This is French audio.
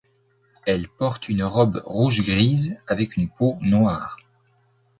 Elle porte une robe rouge-grise avec une peau noire.